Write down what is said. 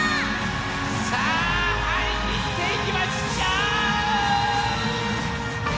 さあはりきっていきましょう！